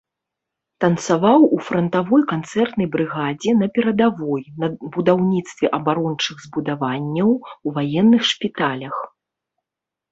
Танцаваў у франтавой канцэртнай брыгадзе на перадавой, на будаўніцтве абарончых збудаванняў, у ваенных шпіталях.